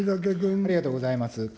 ありがとうございます。